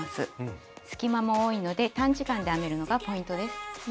隙間も多いので短時間で編めるのがポイントです。